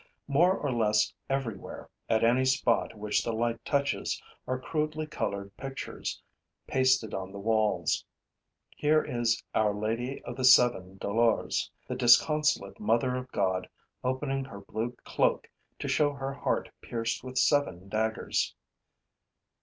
More or less everywhere, at any spot which the light touches, are crudely colored pictures, pasted on the walls. Here is Our Lady of the Seven Dolours, the disconsolate Mother of God opening her blue cloak to show her heart pierced with seven daggers.